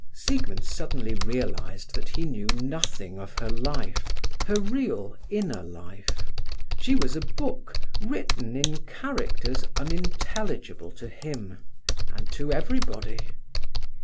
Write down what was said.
Siegmund suddenly realized that he knew nothing of her life, her real inner life. She was a book written in characters unintelligible to him and to everybody.